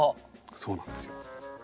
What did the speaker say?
そうなんですよ。